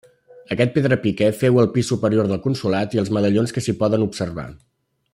Aquest pedrapiquer féu el pis superior del Consolat i els medallons que s'hi poden observar.